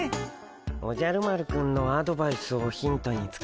おじゃる丸くんのアドバイスをヒントに作ったんだ。